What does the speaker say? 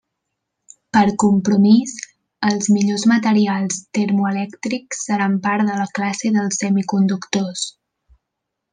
Per compromís, els millors materials termoelèctrics seran part de la classe dels semiconductors.